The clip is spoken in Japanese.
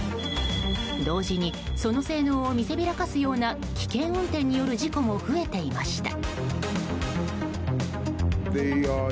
同時にその性能を見せびらかすような危険運転による事故も増えていました。